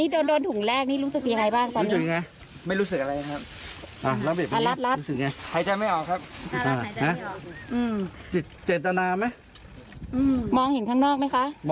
ตอนนี้น้องเป็นไงครับ